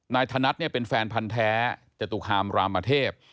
ธนัดเนี่ยเป็นแฟนพันธ์แท้จตุคามรามเทพ